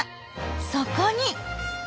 そこに。